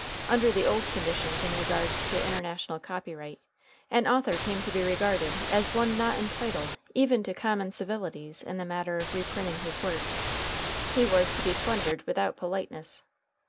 Under the old conditions in regard to international copyright, an author came to be regarded as one not entitled even to common civilities in the matter of reprinting his works he was to be plundered without politeness.